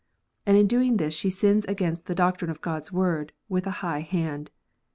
And in doing this she sins against the doctrine of God s Word with a high hand.